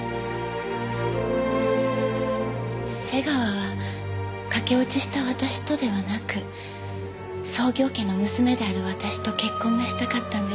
瀬川は駆け落ちした私とではなく創業家の娘である私と結婚がしたかったんです。